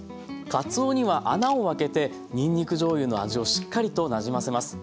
かつおには穴を開けてにんにくじょうゆの味をしっかりとなじませます。